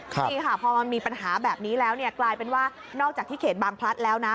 นี่ค่ะพอมันมีปัญหาแบบนี้แล้วเนี่ยกลายเป็นว่านอกจากที่เขตบางพลัดแล้วนะ